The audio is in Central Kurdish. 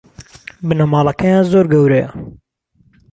بنەماڵەکەیان زۆر گەورەیە